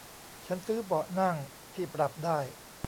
ฉันซื้อเบาะนั่งที่ปรับได้